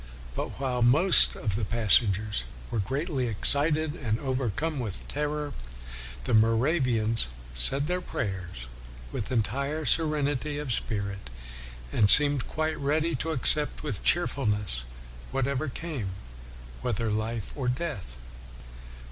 But while most of the passengers were greatly ex cited and overcome with terror, the Mo ravians said their prayers with entire serenity of spirit and seemed quite ready to accept, with cheerfulness, whatever came, whether life or death.